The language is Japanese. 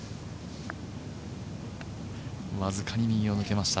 僅かに右を抜けました。